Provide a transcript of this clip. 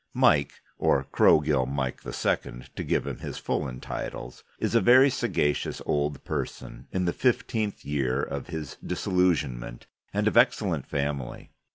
Mike, or Crowgill Mike II, to give him his full entitles, is a very sagacious old person, in the fifteenth year of his disillusionment, and of excellent family.